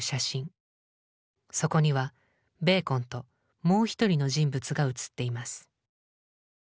そこにはベーコンともう一人の人物が写っています。